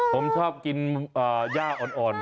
ผมชอบกินย่าอ่อน